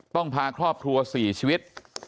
พาครอบครัว๔ชีวิต